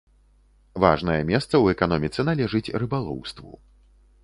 Важнае месца ў эканоміцы належыць рыбалоўству.